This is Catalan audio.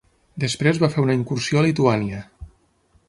Després va fer una incursió a Lituània.